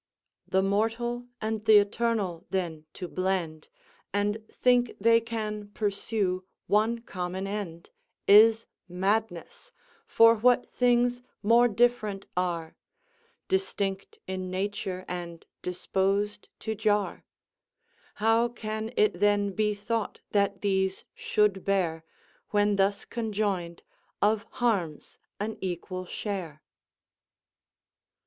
"The mortal and th' eternal, then, to blend, And think they can pursue one common end, Is madness: for what things more diff'rent are. Distinct in nature, and disposed to jar? How can it then be thought that these should bear, When thus conjoined, of harms an equal share?"